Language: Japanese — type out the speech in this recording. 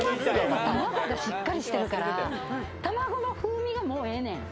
甘すぎず、卵がしっかりしてるから卵の風味がもうええねん。